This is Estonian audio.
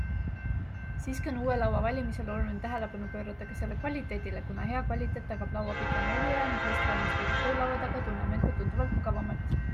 Siiski on uue laua valimisel oluline tähelepanu pöörata ka selle kvaliteedile, kuna hea kvaliteet tagab laua pikema eluea ning hästi valmistatud töölaua taga tunneme end ka tunduvalt mugavamalt.